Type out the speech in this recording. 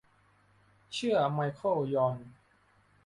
เชื่อ ไมเคิล ยอน